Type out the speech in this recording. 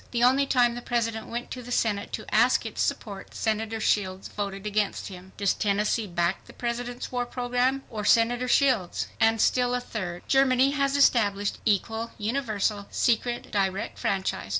THE ONLY TIME THE PRESIDENT WENT TO THE SENATE TO ASK ITS SUPPORT SENATOR SHIELDS VOTED AGAINST HIM. DOES TENNESSEE BACK THE PRESIDENT'S WAR PROGRAM OE SENATOR SHIELDS? And still a third: GERMANY HAS ESTABLISHED "EQUAL, UNIVERSAL, SECRET, DIRECT FRANCHISE."